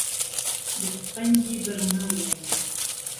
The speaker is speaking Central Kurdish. به تفهنگی بڕنهو لێم دهن